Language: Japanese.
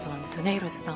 廣瀬さん。